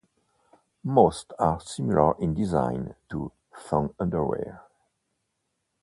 Most are similar in design to thong underwear.